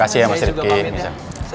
saya mau nanti nantarin dia